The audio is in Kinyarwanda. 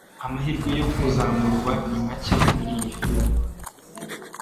Amahirwe yo kuzamurwa ni make muriyi firime.